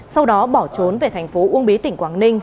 sau đó bỏ trốn về tp uông bí tỉnh quảng ninh